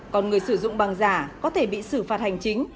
còn người sử dụng bằng giả có thể bị xử phạt hành chính